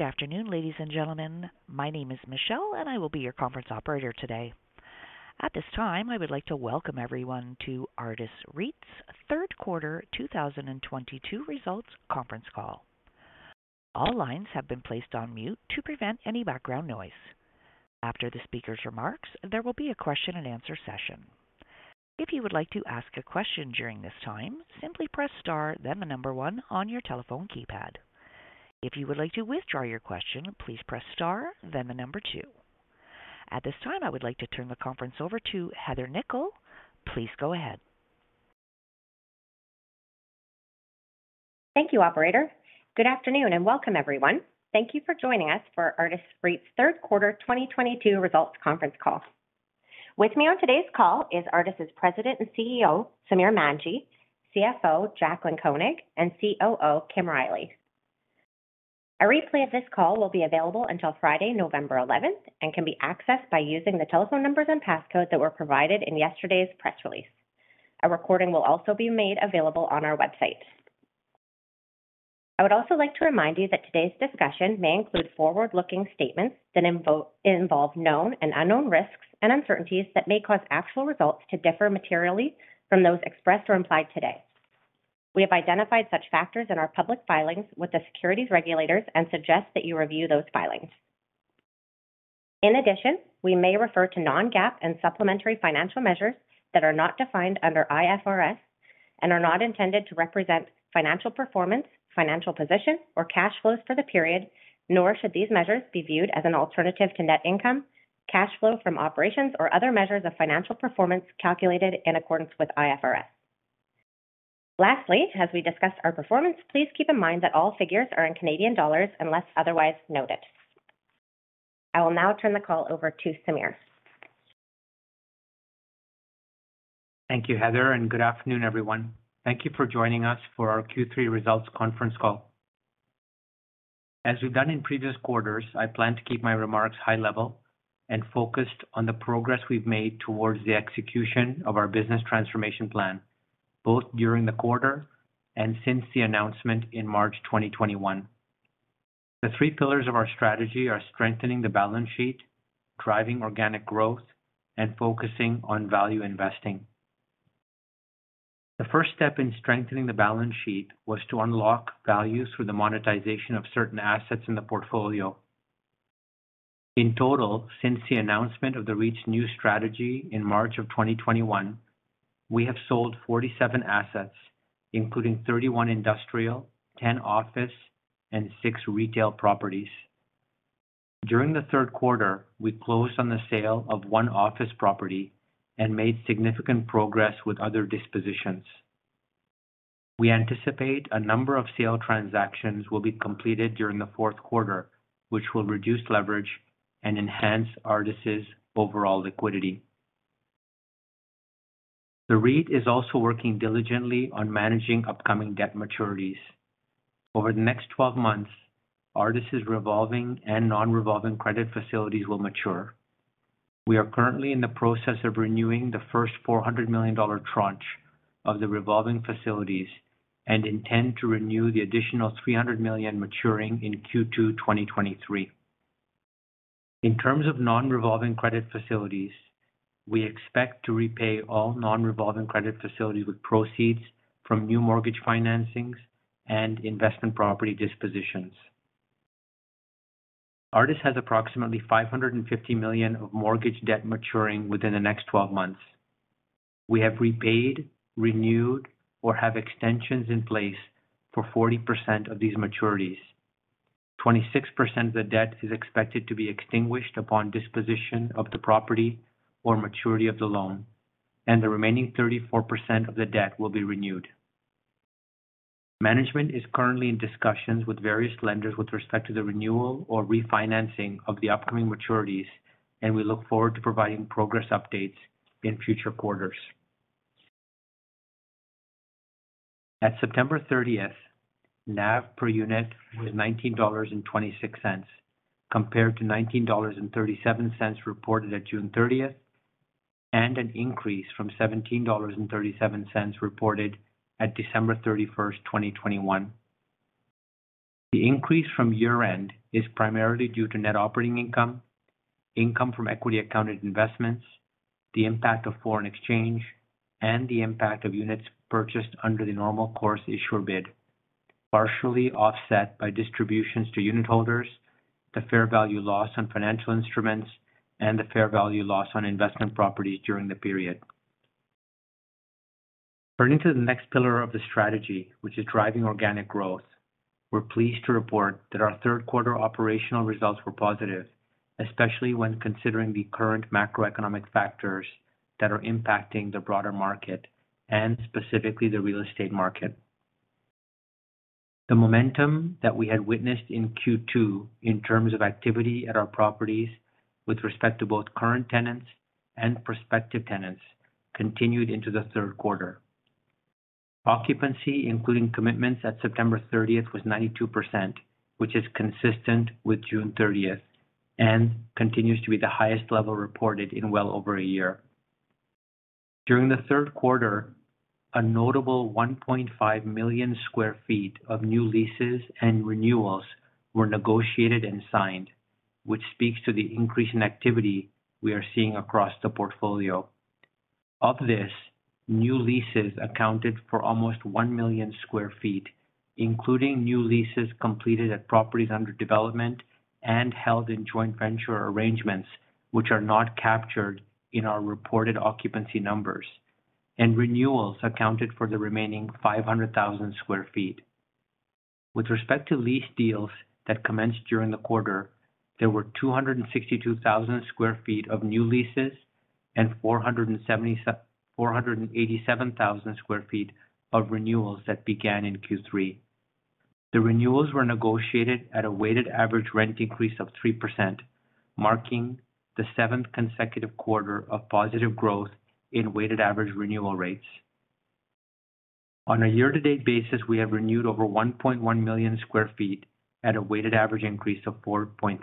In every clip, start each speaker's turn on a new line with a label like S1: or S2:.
S1: Good afternoon, ladies and gentlemen. My name is Michelle, and I will be your conference operator today. At this time, I would like to welcome everyone to Artis REIT's third quarter 2022 results conference call. All lines have been placed on mute to prevent any background noise. After the speaker's remarks, there will be a question and answer session. If you would like to ask a question during this time, simply press star then the number one on your telephone keypad. If you would like to withdraw your question, please press star then the number two. At this time, I would like to turn the conference over to Heather Nikkel. Please go ahead.
S2: Thank you, operator. Good afternoon and welcome everyone. Thank you for joining us for Artis REIT's third quarter 2022 results conference call. With me on today's call is Artis' President and CEO, Samir Manji, CFO Jaclyn Koenig, and COO Kim Riley. A replay of this call will be available until Friday, November 11th, and can be accessed by using the telephone numbers and passcodes that were provided in yesterday's press release. A recording will also be made available on our website. I would also like to remind you that today's discussion may include forward-looking statements that involve known and unknown risks and uncertainties that may cause actual results to differ materially from those expressed or implied today. We have identified such factors in our public filings with the securities regulators and suggest that you review those filings. In addition, we may refer to non-GAAP and supplementary financial measures that are not defined under IFRS and are not intended to represent financial performance, financial position, or cash flows for the period, nor should these measures be viewed as an alternative to net income, cash flow from operations, or other measures of financial performance calculated in accordance with IFRS. Lastly, as we discuss our performance, please keep in mind that all figures are in Canadian dollars unless otherwise noted. I will now turn the call over to Samir.
S3: Thank you, Heather, and good afternoon, everyone. Thank you for joining us for our Q3 results conference call. As we've done in previous quarters, I plan to keep my remarks high level and focused on the progress we've made towards the execution of our business transformation plan, both during the quarter and since the announcement in March 2021. The three pillars of our strategy are strengthening the balance sheet, driving organic growth, and focusing on value investing. The first step in strengthening the balance sheet was to unlock value through the monetization of certain assets in the portfolio. In total, since the announcement of the REIT's new strategy in March of 2021, we have sold 47 assets, including 31 industrial, 10 office, and six retail properties. During the third quarter, we closed on the sale of one office property and made significant progress with other dispositions. We anticipate a number of sale transactions will be completed during the fourth quarter, which will reduce leverage and enhance Artis' overall liquidity. The REIT is also working diligently on managing upcoming debt maturities. Over the next 12 months, Artis' revolving and non-revolving credit facilities will mature. We are currently in the process of renewing the first 400 million dollar tranche of the revolving facilities and intend to renew the additional 300 million maturing in Q2 2023. In terms of non-revolving credit facilities, we expect to repay all non-revolving credit facilities with proceeds from new mortgage financings and investment property dispositions. Artis has approximately 550 million of mortgage debt maturing within the next 12 months. We have repaid, renewed, or have extensions in place for 40% of these maturities. 26% of the debt is expected to be extinguished upon disposition of the property or maturity of the loan, and the remaining 34% of the debt will be renewed. Management is currently in discussions with various lenders with respect to the renewal or refinancing of the upcoming maturities, and we look forward to providing progress updates in future quarters. At September 30th, NAV per unit was 19.26 dollars, compared to 19.37 dollars reported at June 30th, and an increase from 17.37 dollars reported at December 31st, 2021. The increase from year-end is primarily due to net operating income from equity accounted investments, the impact of foreign exchange, and the impact of units purchased under the normal course issuer bid, partially offset by distributions to unit holders, the fair value loss on financial instruments, and the fair value loss on investment properties during the period. Turning to the next pillar of the strategy, which is driving organic growth, we're pleased to report that our third quarter operational results were positive, especially when considering the current macroeconomic factors that are impacting the broader market and specifically the real estate market. The momentum that we had witnessed in Q2 in terms of activity at our properties with respect to both current tenants and prospective tenants continued into the third quarter. Occupancy, including commitments at September 30th, was 92%, which is consistent with June 30th and continues to be the highest level reported in well over a year. During the third quarter, a notable 1.5 million sq ft of new leases and renewals were negotiated and signed, which speaks to the increase in activity we are seeing across the portfolio. Of this, new leases accounted for almost 1 million sq ft, including new leases completed at properties under development and held in joint venture arrangements which are not captured in our reported occupancy numbers. Renewals accounted for the remaining 500,000 sq ft. With respect to lease deals that commenced during the quarter, there were 262,000 sq ft of new leases and 487,000 sq ft of renewals that began in Q3. The renewals were negotiated at a weighted average rent increase of 3%, marking the seventh consecutive quarter of positive growth in weighted average renewal rates. On a year to date basis, we have renewed over 1.1 million sq ft at a weighted average increase of 4.3%.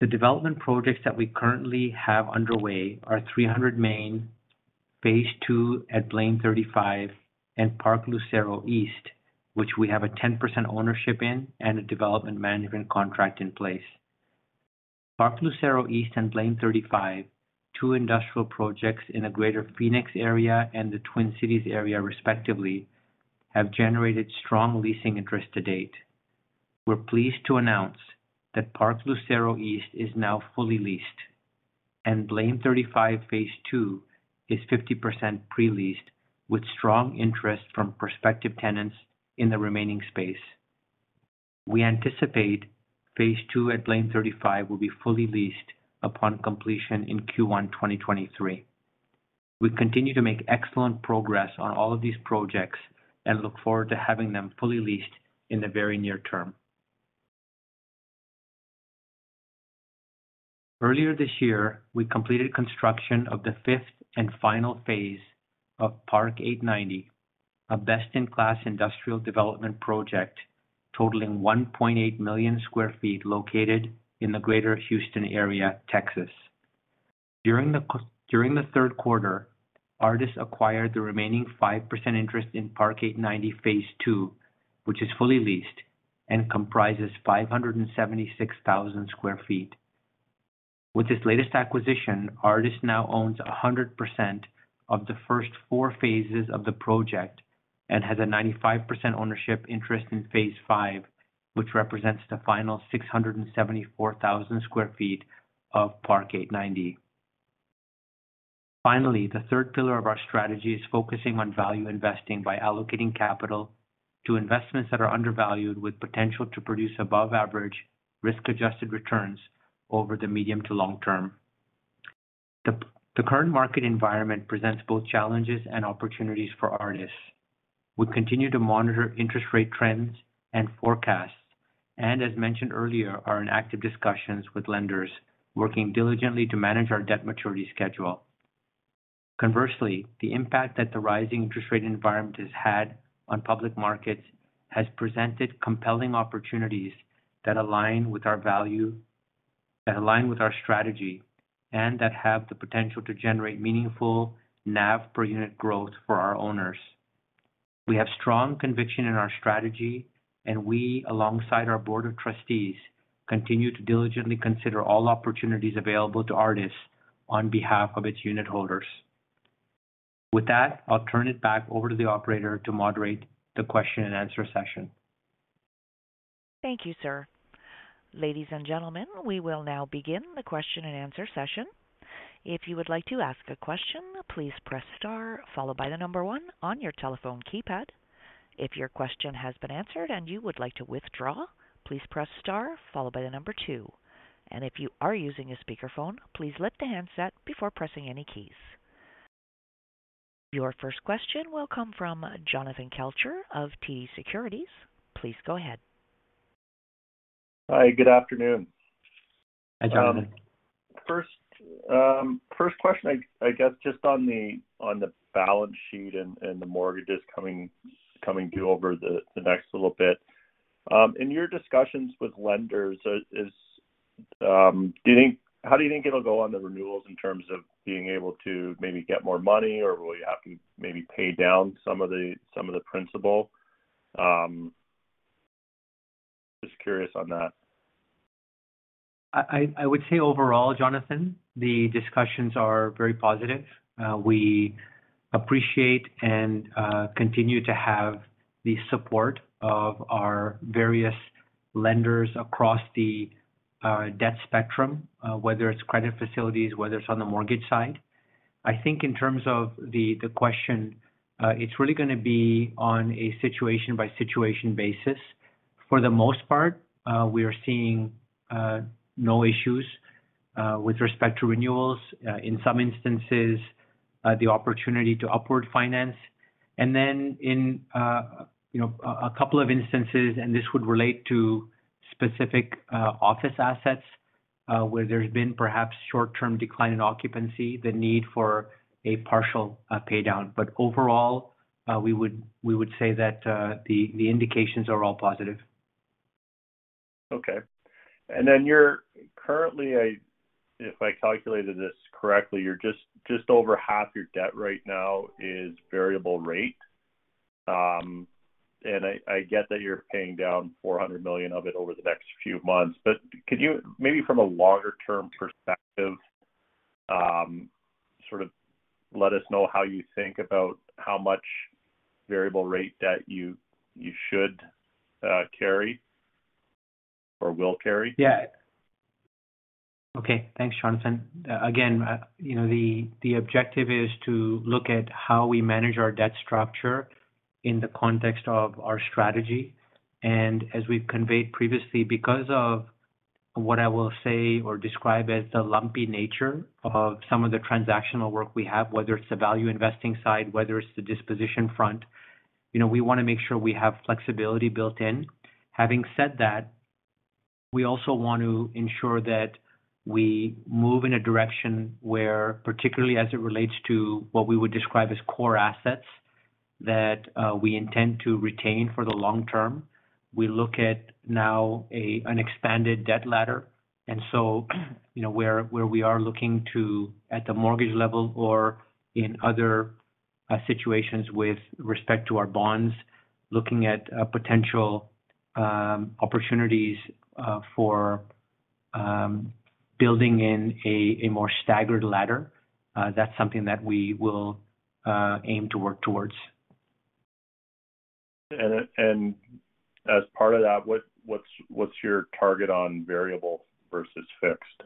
S3: The development projects that we currently have underway are 300 Main, phase two at Blaine 35 and Park Lucero East, which we have a 10% ownership in and a development management contract in place. Park Lucero East and Blaine 35, two industrial projects in the Greater Phoenix area and the Twin Cities area respectively, have generated strong leasing interest to date. We're pleased to announce that Park Lucero East is now fully leased and Blaine 35 phase two is 50% pre-leased, with strong interest from prospective tenants in the remaining space. We anticipate phase two at Blaine 35 will be fully leased upon completion in Q1 2023. We continue to make excellent progress on all of these projects and look forward to having them fully leased in the very near term. Earlier this year, we completed construction of the fifth and final phase of Park 890, a best in class industrial development project totaling 1.8 million sq ft located in the Greater Houston area, Texas. During the third quarter, Artis acquired the remaining 5% interest in Park 890, phase two, which is fully leased and comprises 576,000 sq ft. With this latest acquisition, Artis now owns 100% of the first four phases of the project and has a 95% ownership interest in phase five, which represents the final 674,000 sq ft of Park 890. Finally, the third pillar of our strategy is focusing on value investing by allocating capital to investments that are undervalued with potential to produce above average risk-adjusted returns over the medium to long term. The current market environment presents both challenges and opportunities for Artis. We continue to monitor interest rate trends and forecasts and as mentioned earlier, are in active discussions with lenders working diligently to manage our debt maturity schedule. Conversely, the impact that the rising interest rate environment has had on public markets has presented compelling opportunities that align with our strategy and that have the potential to generate meaningful NAV per unit growth for our owners. We have strong conviction in our strategy and we, alongside our board of trustees, continue to diligently consider all opportunities available to Artis on behalf of its unitholders. With that, I'll turn it back over to the operator to moderate the question and answer session.
S1: Thank you, sir. Ladies and gentlemen, we will now begin the question and answer session. If you would like to ask a question, please press star followed by the number one on your telephone keypad. If your question has been answered and you would like to withdraw, please press star followed by the number two. If you are using a speakerphone, please lift the handset before pressing any keys. Your first question will come from Jonathan Kelcher of TD Securities. Please go ahead.
S4: Hi. Good afternoon.
S3: Hi, Jonathan.
S4: First question, I guess just on the balance sheet and the mortgages coming due over the next little bit. In your discussions with lenders, how do you think it'll go on the renewals in terms of being able to maybe get more money, or will you have to maybe pay down some of the principal? Just curious on that.
S3: I would say overall, Jonathan, the discussions are very positive. We appreciate and continue to have the support of our various lenders across the debt spectrum, whether it's credit facilities, whether it's on the mortgage side. I think in terms of the question, it's really gonna be on a situation by situation basis. For the most part, we are seeing no issues with respect to renewals. In some instances, the opportunity to upward finance. In you know, a couple of instances, this would relate to specific office assets, where there's been perhaps short-term decline in occupancy, the need for a partial pay down. Overall, we would say that the indications are all positive.
S4: Okay. Then you're currently, if I calculated this correctly, you're just over half your debt right now is variable rate. I get that you're paying down 400 million of it over the next few months. Could you maybe from a longer-term perspective, sort of let us know how you think about how much variable rate that you should carry or will carry?
S3: Yeah. Okay. Thanks, Jonathan. Again, you know, the objective is to look at how we manage our debt structure in the context of our strategy. As we've conveyed previously, because of what I will say or describe as the lumpy nature of some of the transactional work we have, whether it's the value investing side, whether it's the disposition front, you know, we wanna make sure we have flexibility built in. Having said that, we also want to ensure that we move in a direction where, particularly as it relates to what we would describe as core assets that we intend to retain for the long term. We look at now an expanded debt ladder. You know, where we are looking to at the mortgage level or in other situations with respect to our bonds, looking at potential opportunities for building in a more staggered ladder. That's something that we will aim to work towards.
S4: As part of that, what's your target on variable versus fixed?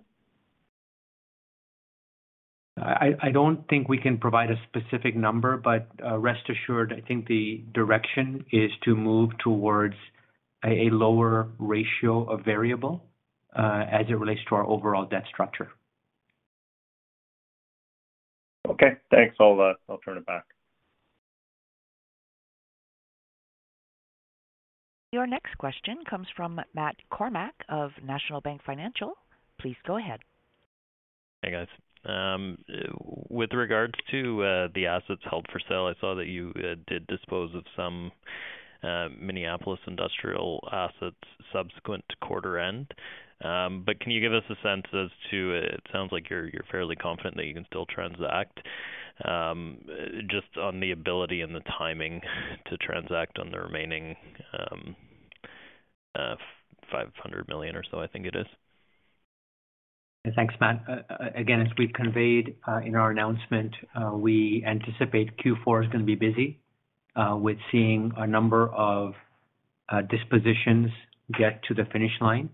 S3: I don't think we can provide a specific number, but rest assured, I think the direction is to move towards a lower ratio of variable as it relates to our overall debt structure.
S4: Okay. Thanks. I'll turn it back.
S1: Your next question comes from Matt Kornack of National Bank Financial. Please go ahead.
S5: Hey, guys. With regards to the assets held for sale, I saw that you did dispose of some Minneapolis industrial assets subsequent to quarter end. Can you give us a sense? It sounds like you're fairly confident that you can still transact just on the ability and the timing to transact on the remaining 500 million or so, I think it is.
S3: Thanks, Matt. Again, as we've conveyed in our announcement, we anticipate Q4 is gonna be busy with seeing a number of dispositions get to the finish line.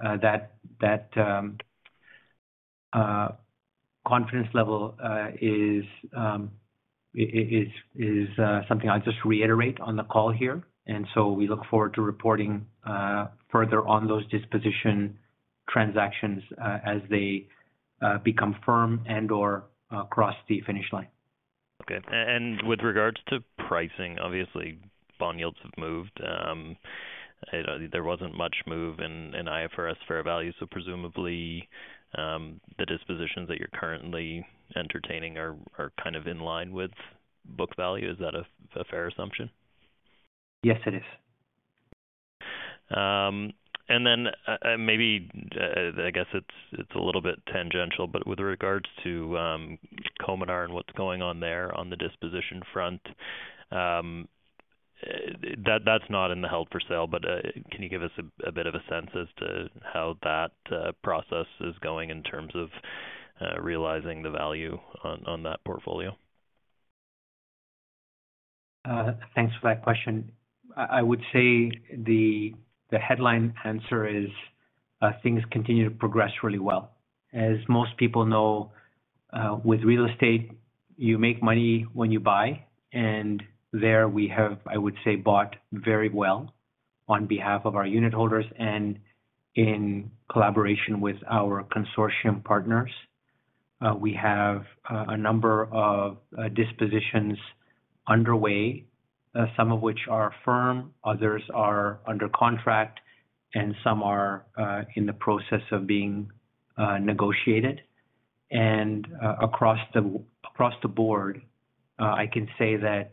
S3: That confidence level is something I'll just reiterate on the call here. We look forward to reporting further on those disposition transactions as they become firm and/or cross the finish line.
S5: Okay. With regards to pricing, obviously, bond yields have moved. There wasn't much move in IFRS fair value. Presumably, the dispositions that you're currently entertaining are kind of in line with book value. Is that a fair assumption?
S3: Yes, it is.
S5: Maybe I guess it's a little bit tangential, but with regards to Cominar and what's going on there on the disposition front, that's not in the held for sale, but can you give us a bit of a sense as to how that process is going in terms of realizing the value on that portfolio?
S3: Thanks for that question. I would say the headline answer is, things continue to progress really well. As most people know, with real estate, you make money when you buy, and there we have, I would say, bought very well on behalf of our unit holders and in collaboration with our consortium partners. We have a number of dispositions underway, some of which are firm, others are under contract, and some are in the process of being negotiated. Across the board, I can say that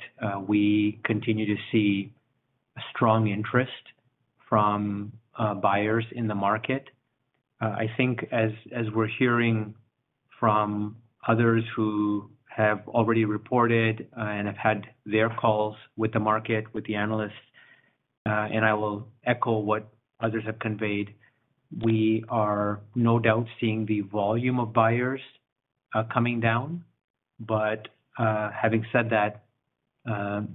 S3: we continue to see strong interest from buyers in the market. I think as we're hearing from others who have already reported, and have had their calls with the market, with the analysts, and I will echo what others have conveyed, we are no doubt seeing the volume of buyers coming down. Having said that, you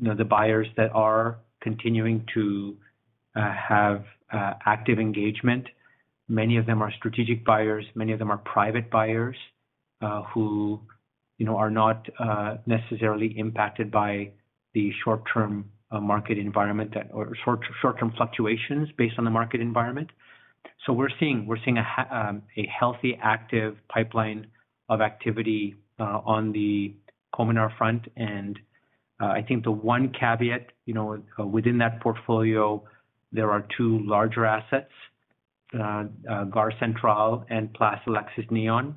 S3: know, the buyers that are continuing to have active engagement, many of them are strategic buyers, many of them are private buyers, who, you know, are not necessarily impacted by the short-term market environment or short-term fluctuations based on the market environment. We're seeing a healthy, active pipeline of activity on the Cominar front. I think the one caveat, you know, within that portfolio, there are two larger assets, Gare Centrale and Place Alexis Nihon.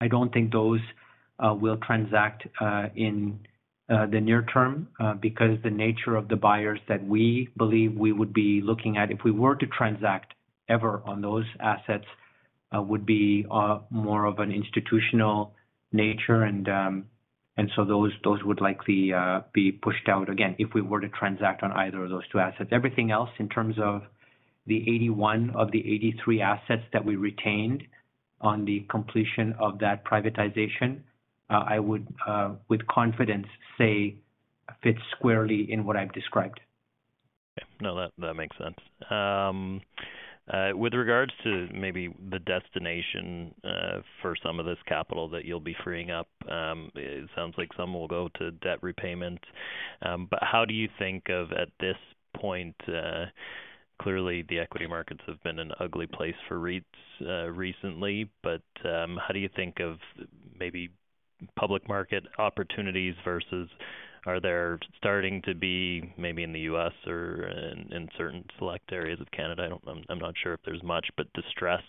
S3: I don't think those will transact in the near term because the nature of the buyers that we believe we would be looking at if we were to transact ever on those assets would be more of an institutional nature. Those would likely be pushed out again if we were to transact on either of those two assets. Everything else in terms of the 81 of the 83 assets that we retained on the completion of that privatization I would with confidence say fits squarely in what I've described.
S5: Okay. No, that makes sense. With regards to maybe the destination for some of this capital that you'll be freeing up, it sounds like some will go to debt repayment. How do you think about at this point, clearly the equity markets have been an ugly place for REITs recently, but how do you think about maybe public market opportunities versus, are there starting to be maybe in the U.S. or in certain select areas of Canada, I'm not sure if there's much, but distress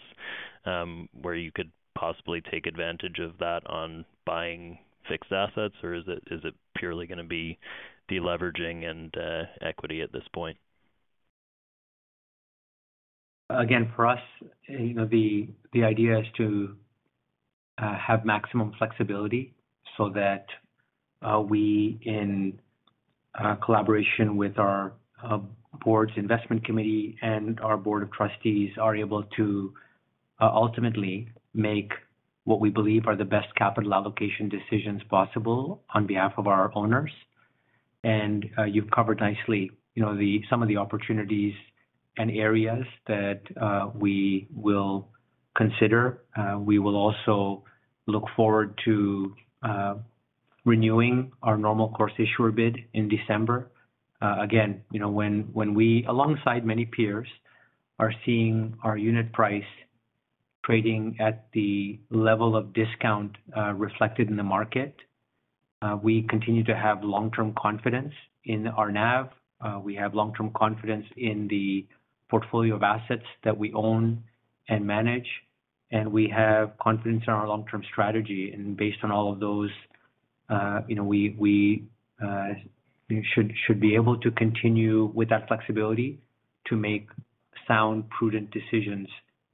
S5: where you could possibly take advantage of that by buying fixed assets, or is it purely going to be deleveraging and equity at this point?
S3: Again, for us, you know, the idea is to have maximum flexibility so that we, in collaboration with our board's investment committee and our board of trustees, are able to ultimately make what we believe are the best capital allocation decisions possible on behalf of our owners. You've covered nicely, you know, some of the opportunities and areas that we will consider. We will also look forward to renewing our normal course issuer bid in December. Again, you know, when we, alongside many peers, are seeing our unit price trading at the level of discount reflected in the market, we continue to have long-term confidence in our NAV. We have long-term confidence in the portfolio of assets that we own and manage, and we have confidence in our long-term strategy. Based on all of those, you know, we should be able to continue with that flexibility to make sound, prudent decisions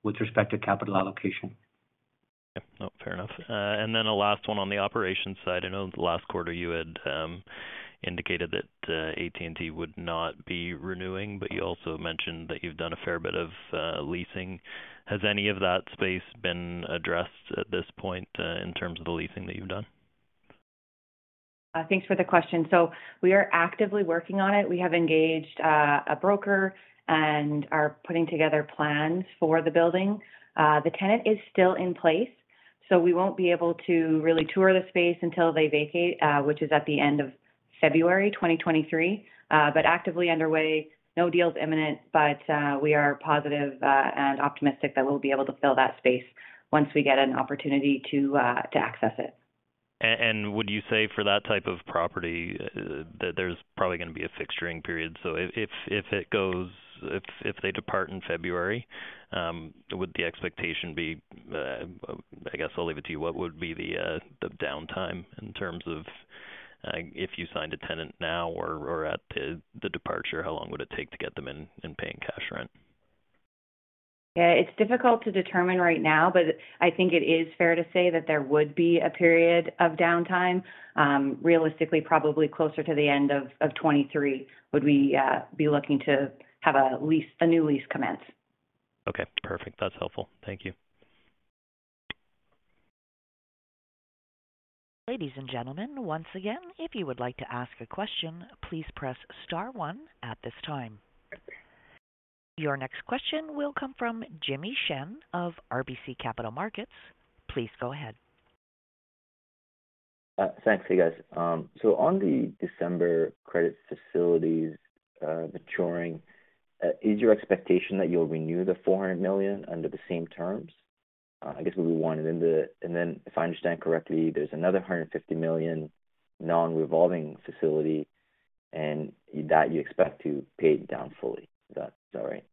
S3: with respect to capital allocation.
S5: Yeah. No. Fair enough. A last one on the operations side. I know the last quarter you had indicated that AT&T would not be renewing, but you also mentioned that you've done a fair bit of leasing. Has any of that space been addressed at this point in terms of the leasing that you've done?
S6: Thanks for the question. We are actively working on it. We have engaged a broker and are putting together plans for the building. The tenant is still in place, so we won't be able to really tour the space until they vacate, which is at the end of February 2023. Actively underway. No deals imminent, but we are positive and optimistic that we'll be able to fill that space once we get an opportunity to access it.
S5: Would you say for that type of property that there's probably going to be a fixturing period? If they depart in February, would the expectation be, I guess I'll leave it to you. What would be the downtime in terms of if you signed a tenant now or at the departure, how long would it take to get them in and paying cash rent?
S6: Yeah. It's difficult to determine right now, but I think it is fair to say that there would be a period of downtime. Realistically, probably closer to the end of 2023 would we be looking to have a new lease commence.
S5: Okay. Perfect. That's helpful. Thank you.
S1: Ladies and gentlemen, once again, if you would like to ask a question, please press star one at this time. Your next question will come from Jimmy Shan of RBC Capital Markets. Please go ahead.
S7: Thanks. Hey, guys. On the December credit facilities maturing, is your expectation that you'll renew the 400 million under the same terms? I guess would be one. Then if I understand correctly, there's another 150 million non-revolving facility and that you expect to pay down fully. Is that right?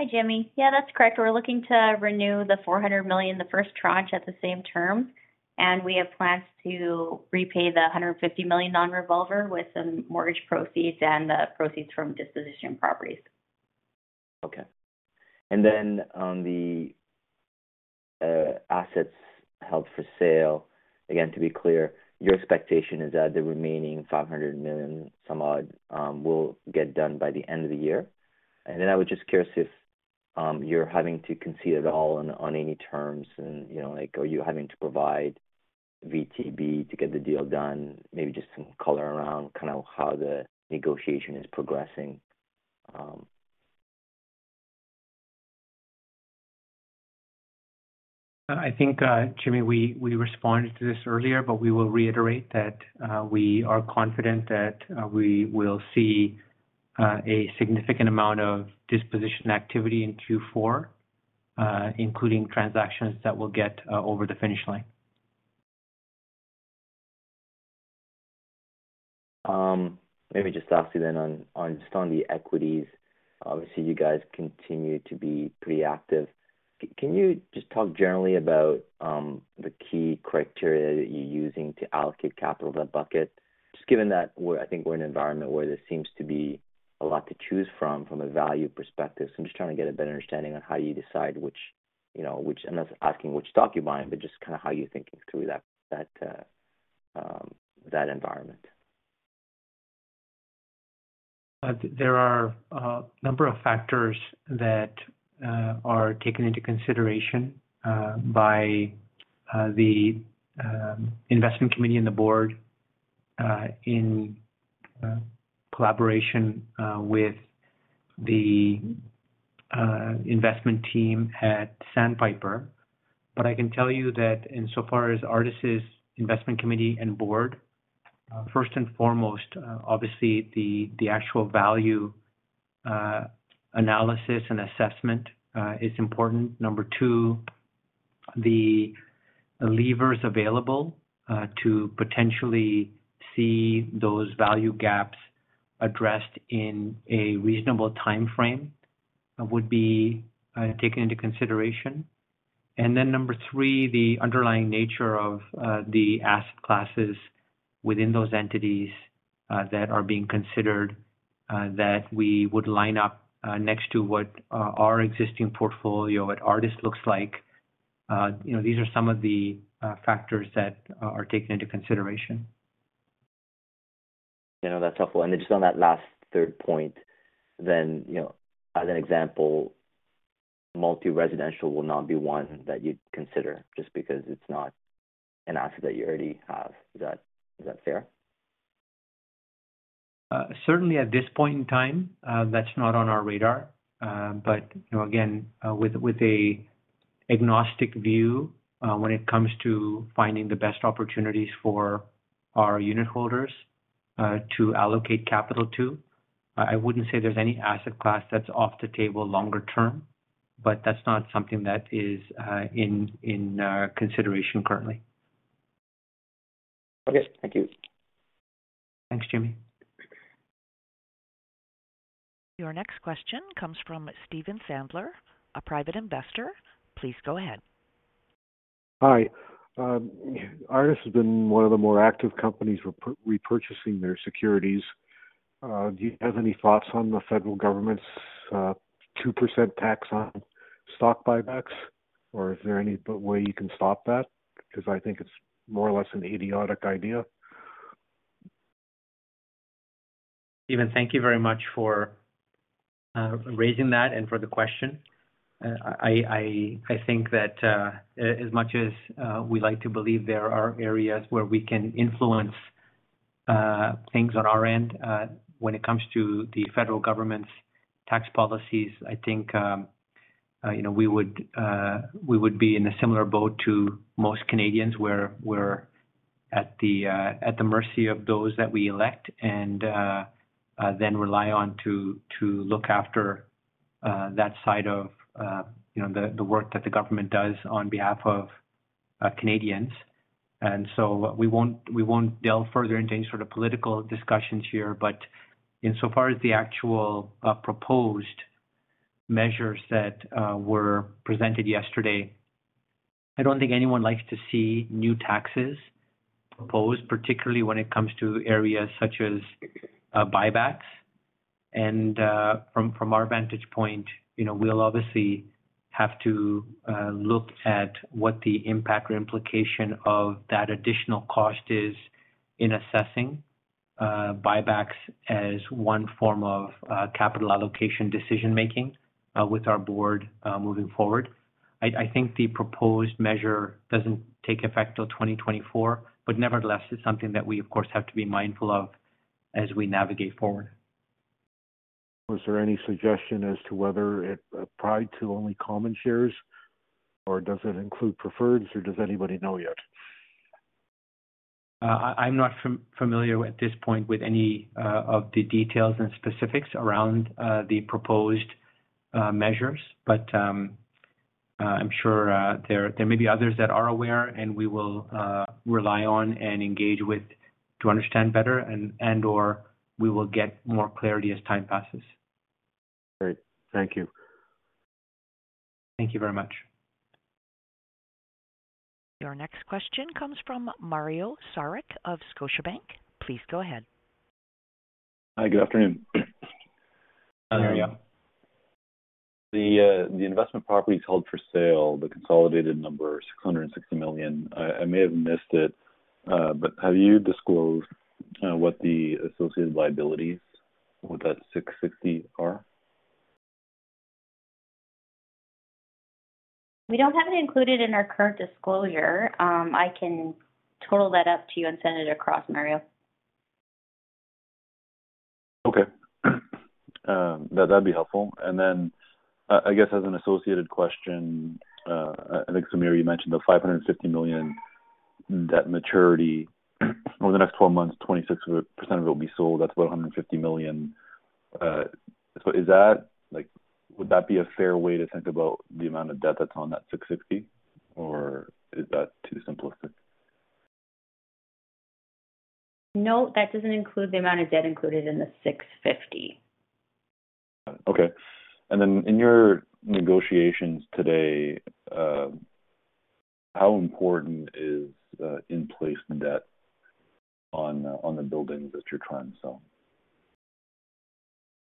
S8: Hi, Jimmy. Yeah, that's correct. We're looking to renew the 400 million, the first tranche at the same term, and we have plans to repay the 150 million non-revolver with some mortgage proceeds and the proceeds from disposition properties.
S7: Okay. On the assets held for sale, again, to be clear, your expectation is that the remaining 500 million some odd will get done by the end of the year. I was just curious if you're having to concede at all on any terms and, you know, like, are you having to provide VTB to get the deal done? Maybe just some color around kind of how the negotiation is progressing.
S3: I think, Jimmy, we responded to this earlier, but we will reiterate that we are confident that we will see a significant amount of disposition activity in 2024, including transactions that will get over the finish line.
S7: Let me just ask you then on just on the equities, obviously, you guys continue to be pretty active. Can you just talk generally about the key criteria that you're using to allocate capital to that bucket? Just given that I think we're in an environment where there seems to be a lot to choose from a value perspective. I'm just trying to get a better understanding on how you decide which, you know, I'm not asking which stock you're buying, but just kind of how you're thinking through that environment.
S3: There are a number of factors that are taken into consideration by the investment committee and the board in collaboration with the investment team at Sandpiper. I can tell you that in so far as Artis' investment committee and board first and foremost obviously the actual value analysis and assessment is important. Number two, the levers available to potentially see those value gaps addressed in a reasonable timeframe would be taken into consideration. Number three, the underlying nature of the asset classes within those entities that are being considered that we would line up next to what our existing portfolio at Artis looks like. You know, these are some of the factors that are taken into consideration.
S7: You know, that's helpful. Just on that last third point then, you know, as an example, multi-residential will not be one that you'd consider just because it's not an asset that you already have. Is that fair?
S3: Certainly at this point in time, that's not on our radar. You know, again, with an agnostic view, when it comes to finding the best opportunities for our unitholders to allocate capital to, I wouldn't say there's any asset class that's off the table longer term, but that's not something that is in consideration currently.
S7: Okay. Thank you.
S3: Thanks, Jimmy.
S1: Your next question comes from Steven Sandler, a private investor. Please go ahead.
S9: Hi. Artis has been one of the more active companies repurchasing their securities. Do you have any thoughts on the federal government's 2% tax on stock buybacks? Or is there any way you can stop that? Because I think it's more or less an idiotic idea.
S3: Steven, thank you very much for raising that and for the question. I think that as much as we like to believe there are areas where we can influence things on our end when it comes to the federal government's tax policies. I think you know we would be in a similar boat to most Canadians where we're at the mercy of those that we elect and then rely on to look after that side of you know the work that the government does on behalf of Canadians. We won't delve further into any sort of political discussions here. Insofar as the actual proposed measures that were presented yesterday, I don't think anyone likes to see new taxes proposed, particularly when it comes to areas such as buybacks. From our vantage point, you know, we'll obviously have to look at what the impact or implication of that additional cost is in assessing buybacks as one form of capital allocation decision-making with our board moving forward. I think the proposed measure doesn't take effect till 2024, but nevertheless, it's something that we, of course, have to be mindful of as we navigate forward.
S9: Was there any suggestion as to whether it applied to only common shares, or does it include preferreds, or does anybody know yet?
S3: I'm not familiar at this point with any of the details and specifics around the proposed measures. I'm sure there may be others that are aware, and we will rely on and engage with to understand better and/or we will get more clarity as time passes.
S9: Great. Thank you.
S3: Thank you very much.
S1: Your next question comes from Mario Saric of Scotiabank. Please go ahead.
S10: Hi, good afternoon.
S3: Hi, Mario.
S10: The investment properties held for sale, the consolidated number, 660 million. I may have missed it, but have you disclosed what the associated liabilities with that 660 are?
S8: We don't have it included in our current disclosure. I can total that up to you and send it across, Mario.
S10: Okay. That'd be helpful. Then I guess as an associated question, I think, Samir, you mentioned the 550 million debt maturity. Over the next twelve months, 26% of it will be sold. That's about 150 million. Is that, like, would that be a fair way to think about the amount of debt that's on that 650 or is that too simplistic?
S8: No, that doesn't include the amount of debt included in the 650.
S10: Okay, in your negotiations today, how important is in-place debt on the buildings that you're trying to sell?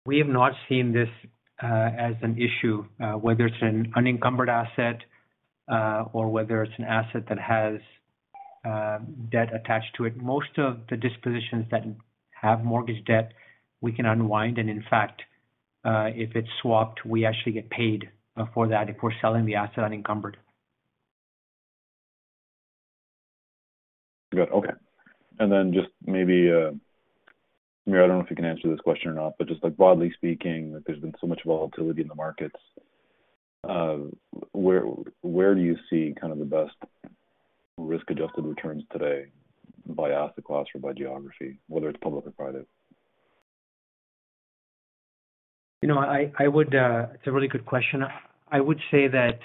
S3: We have not seen this as an issue, whether it's an unencumbered asset or whether it's an asset that has debt attached to it. Most of the dispositions that have mortgage debt we can unwind. In fact, if it's swapped, we actually get paid for that if we're selling the asset unencumbered.
S10: Good. Okay. Just maybe, I don't know if you can answer this question or not, but just like broadly speaking, there's been so much volatility in the markets. Where do you see kind of the best risk-adjusted returns today by asset class or by geography, whether it's public or private?
S3: It's a really good question. I would say that,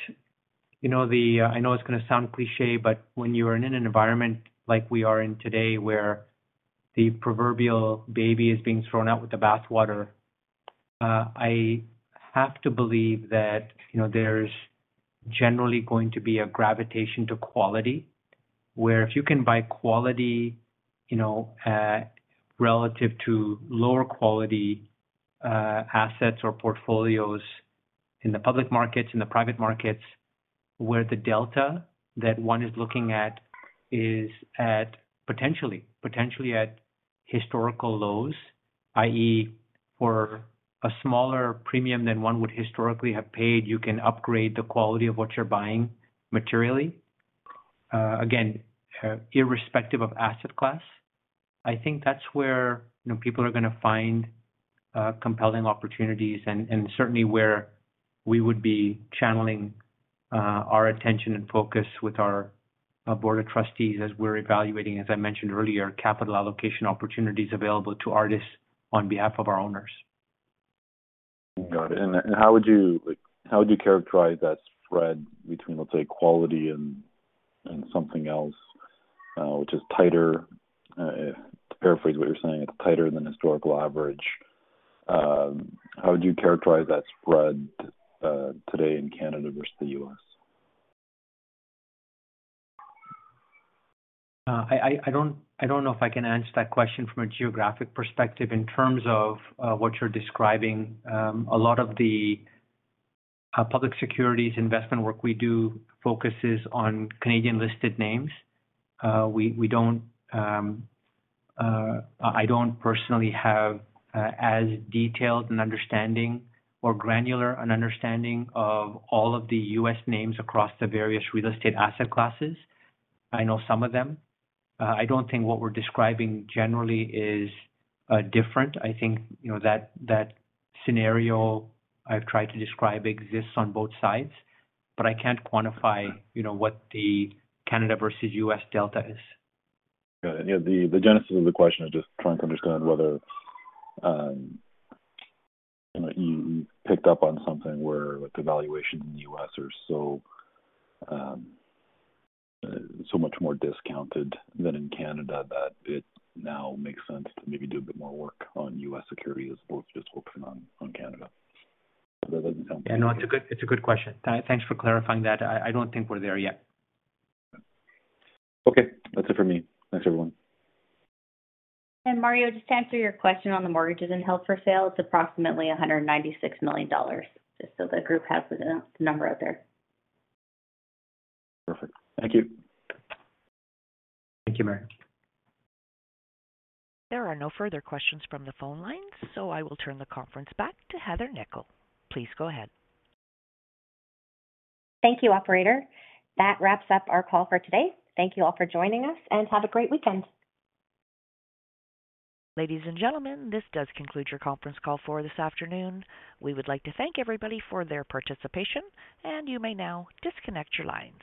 S3: you know, I know it's gonna sound cliché, but when you are in an environment like we are in today, where the proverbial baby is being thrown out with the bathwater, I have to believe that, you know, there's generally going to be a gravitation to quality. Where if you can buy quality, you know, relative to lower quality assets or portfolios in the public markets, in the private markets, where the delta that one is looking at is at potentially at historical lows, i.e., for a smaller premium than one would historically have paid, you can upgrade the quality of what you're buying materially. Again, irrespective of asset class, I think that's where, you know, people are gonna find compelling opportunities and certainly where we would be channeling our attention and focus with our board of trustees as we're evaluating, as I mentioned earlier, capital allocation opportunities available to Artis on behalf of our owners.
S10: Got it. How would you, like, characterize that spread between, let's say, quality and something else, which is tighter? To paraphrase what you're saying, it's tighter than historical average. How would you characterize that spread today in Canada versus the U.S.?
S3: I don't know if I can answer that question from a geographic perspective. In terms of what you're describing, a lot of the public securities investment work we do focuses on Canadian-listed names. We don't personally have as detailed an understanding or granular an understanding of all of the U.S. names across the various real estate asset classes. I know some of them. I don't think what we're describing generally is different. I think you know that scenario I've tried to describe exists on both sides, but I can't quantify what the Canada versus U.S. delta is.
S10: Yeah. The genesis of the question is just trying to understand whether, you know, you picked up on something where like the valuation in the U.S. are so much more discounted than in Canada, that it now makes sense to maybe do a bit more work on U.S. securities as opposed to just focusing on Canada. That doesn't sound-
S3: Yeah, no, it's a good question. Thanks for clarifying that. I don't think we're there yet.
S10: Okay. That's it for me. Thanks everyone.
S8: Mario, just to answer your question on the mortgages and held for sale, it's approximately 196 million dollars, just so the group has the number out there.
S10: Perfect. Thank you.
S3: Thank you, Mario.
S1: There are no further questions from the phone lines, so I will turn the conference back to Heather Nikkel. Please go ahead.
S2: Thank you, operator. That wraps up our call for today. Thank you all for joining us, and have a great weekend.
S1: Ladies and gentlemen, this does conclude your conference call for this afternoon. We would like to thank everybody for their participation, and you may now disconnect your lines.